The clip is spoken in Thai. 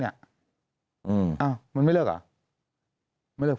แต่ได้ยินจากคนอื่นแต่ได้ยินจากคนอื่น